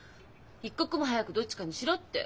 一刻も早くどっちかにしろ」って。